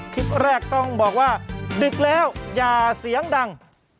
คลิปแรกต้องบอกว่าดึกแล้วอย่าเสียงดัง